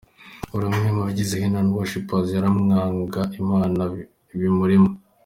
Buri umwe mu bagize Heman worshipers yaramyaga Imana bimurimo.